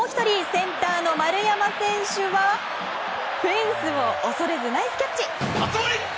センターの丸山選手はフェンスを恐れずナイスキャッチ！